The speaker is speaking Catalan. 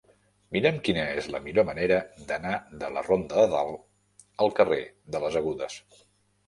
Mira'm quina és la millor manera d'anar de la ronda de Dalt al carrer de les Agudes.